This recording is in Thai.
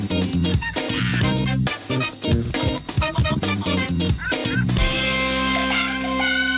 โปรดติดตามตอนต่อไป